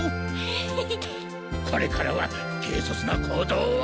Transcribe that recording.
これからは軽そつな行動は。